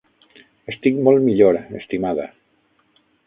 Estic molt millor, estimada.